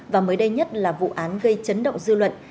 và mới đây nhất là vụ án gây chấn động dư luận